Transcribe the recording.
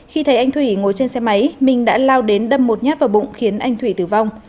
khi thấy anh thủy ngồi trên xe máy minh đã lao đến đâm một nhát vào bụng khiến anh thủy tử vong